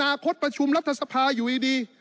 คตประชุมรัฐสภาอยู่ดี